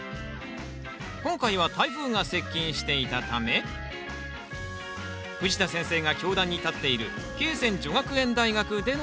今回は台風が接近していたため藤田先生が教壇に立っている恵泉女学園大学での収録です